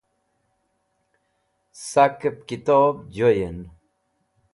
Sakep Kitob Joyen